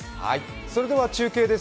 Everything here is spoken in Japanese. それでは中継です。